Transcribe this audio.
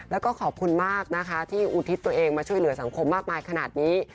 แล้วก็ขอบคุณมากนะคะที่อุทิศตัวเองมาช่วยเหลือสังคมมากมายขนาดนี้